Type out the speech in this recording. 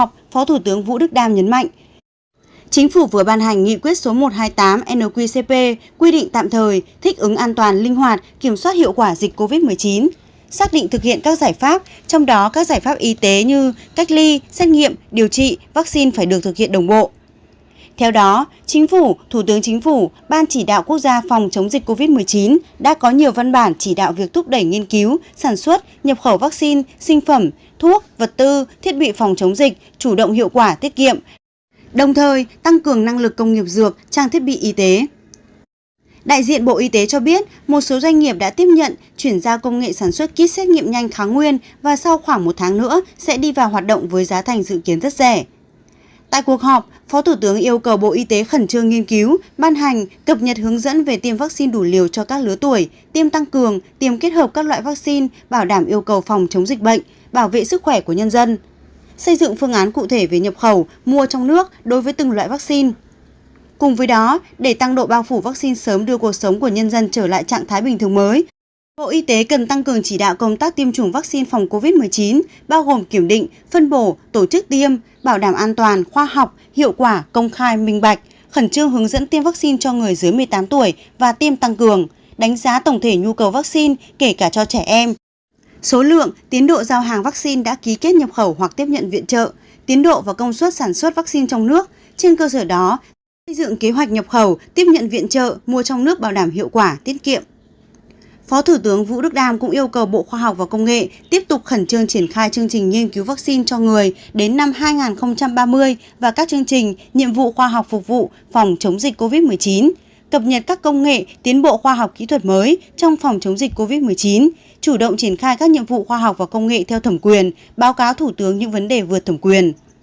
phó thủ tướng vũ đức đam cũng yêu cầu bộ khoa học và công nghệ tiếp tục khẩn trương triển khai chương trình nghiên cứu vaccine cho người đến năm hai nghìn ba mươi và các chương trình nhiệm vụ khoa học phục vụ phòng chống dịch covid một mươi chín cập nhật các công nghệ tiến bộ khoa học kỹ thuật mới trong phòng chống dịch covid một mươi chín chủ động triển khai các nhiệm vụ khoa học và công nghệ theo thẩm quyền báo cáo thủ tướng những vấn đề vượt thẩm quyền